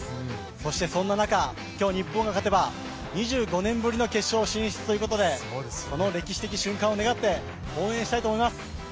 そして、そんな中今日、日本が勝てば２５年ぶりの決勝進出ということでその歴史的瞬間を願って応援したいと思います。